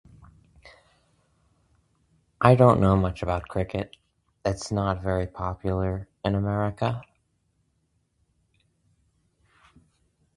I don't know much about cricket. It's not very popular in America.